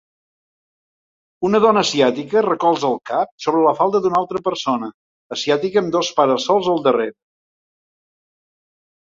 Una dona asiàtica recolza el cap sobre la falda d'una altra persona asiàtica amb dos para-sols al darrere.